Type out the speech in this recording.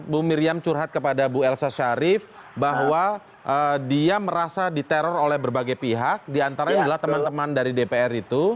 bu miriam curhat kepada bu elsa sharif bahwa dia merasa diteror oleh berbagai pihak diantaranya adalah teman teman dari dpr itu